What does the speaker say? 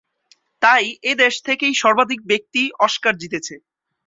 তাই এই দেশ থেকেই সর্বাধিক ব্যক্তি অস্কার জিতেছে।